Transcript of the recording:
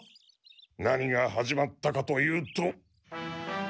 何が始まったかというと。